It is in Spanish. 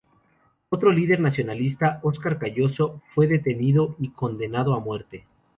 Otro líder nacionalista, Óscar Collazo, fue detenido y condenado a muerte.